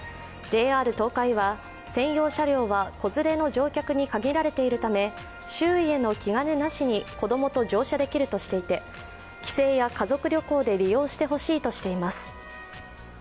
ＪＲ東海は、専用車両は子連れの乗客に限られているため周囲への気兼ねなしに子供と乗車できるとしていて帰省や家族旅行で利用してほしいとしています。